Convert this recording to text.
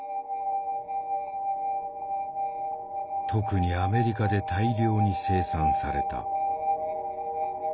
特にアメリカで大量に生産された。